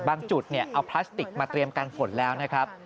จุดเอาพลาสติกมาเตรียมการฝนแล้วนะครับ